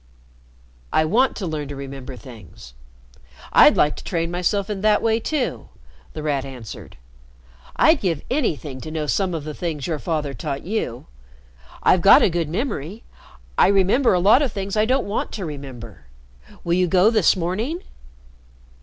"I want to learn to remember things. I'd like to train myself in that way too," The Rat answered. "I'd give anything to know some of the things your father taught you. I've got a good memory. I remember a lot of things I don't want to remember. Will you go this morning?"